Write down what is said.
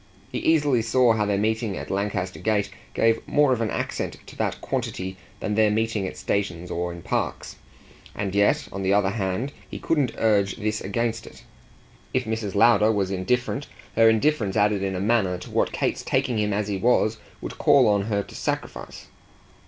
He easily saw how their meeting at Lancaster Gate gave more of an accent to that quantity than their meeting at stations or in parks; and yet on the other hand he couldn't urge this against it. If Mrs. Lowder was indifferent her indifference added in a manner to what Kate's taking him as he was would call on her to sacrifice.